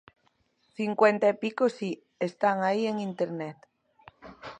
Cincuenta e pico si, están aí en Internet.